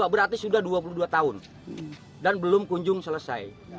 berarti sudah dua puluh dua tahun dan belum kunjung selesai